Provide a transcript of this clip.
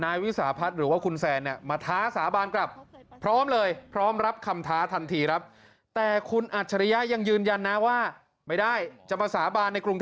วิสาพัฒน์หรือว่าคุณแซนเนี่ยมาท้าสาบานกลับพร้อมเลยพร้อมรับคำท้าทันทีครับ